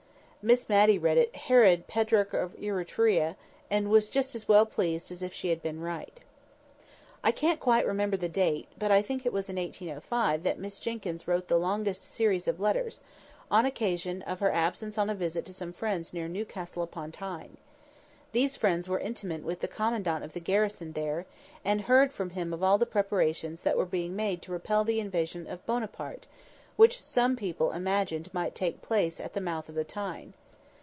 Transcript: Miss Matty read it "Herod Petrarch of Etruria," and was just as well pleased as if she had been right. I can't quite remember the date, but I think it was in 1805 that Miss Jenkyns wrote the longest series of letters—on occasion of her absence on a visit to some friends near Newcastle upon Tyne. These friends were intimate with the commandant of the garrison there, and heard from him of all the preparations that were being made to repel the invasion of Buonaparte, which some people imagined might take place at the mouth of the Tyne.